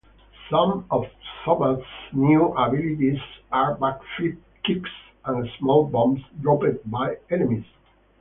Some of Thomas's new abilities are back-flip kicks and small bombs dropped by enemies.